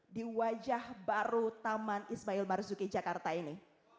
di wajah baru taman ismail marzuki jakarta ini